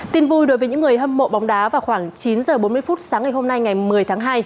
tin vui đối với những người hâm mộ bóng đá vào khoảng chín h bốn mươi phút sáng ngày hôm nay ngày một mươi tháng hai